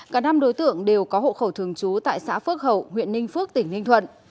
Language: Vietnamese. cả năm đối tượng đều có hộ khẩu thường trú tại xã phước hậu huyện ninh phước tỉnh ninh thuận